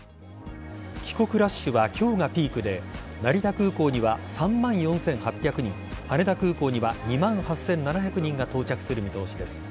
帰国ラッシュは今日がピークで成田空港には３万４８００人羽田空港には２万８７００人が到着する見通しです。